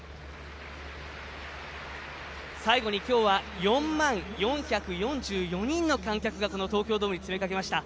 最後に今日は４万４４２人の観客がこの東京ドームに詰め掛けました。